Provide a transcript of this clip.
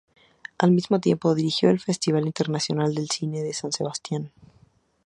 Al mismo tiempo, dirigió el Festival Internacional de Cine de San Sebastián.